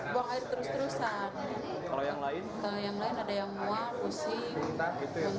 buang air terus terusan